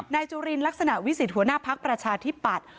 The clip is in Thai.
จุลินลักษณะวิสิทธิหัวหน้าพักประชาธิปัตย์